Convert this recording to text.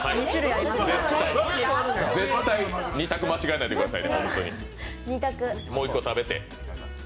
絶対２択間違えないでください。